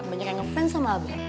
banyak yang ngefans sama albert